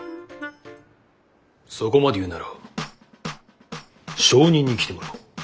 そこまで言うなら証人に来てもらおう。